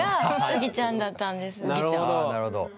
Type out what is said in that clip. あなるほど。